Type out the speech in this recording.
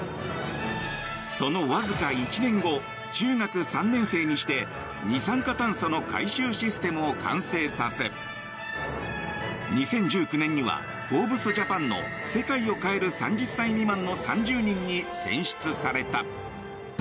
そのわずか１年後中学３年生にして二酸化炭素の回収システムを完成させ２０１９年には「フォーブスジャパン」の世界を変える３０歳未満の３０人に選出された。